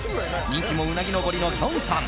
人気もうなぎ登りのきょんさん